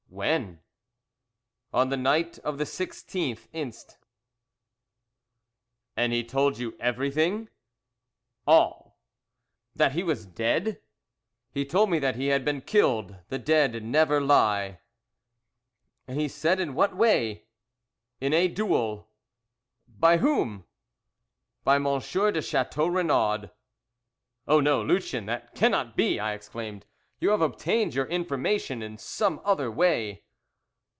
"When?" "On the night of the 16th inst." "And he told you everything?" "All!" "That he was dead?" "He told me that he had been killed. The dead never lie!" "And he said in what way?" "In a duel." "By whom?" "By M. de Chateau Renaud." "Oh no, Lucien, that cannot be," I exclaimed, "you have obtained your information in some other way."